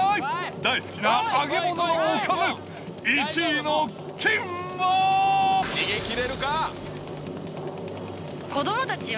大好きな揚げ物のおかず、１位の金は。